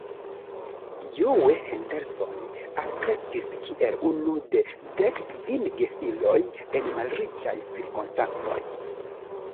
Joe Henderson alkreskis kiel unu de dek kvin gefiloj en malriĉaj cirkonstancoj.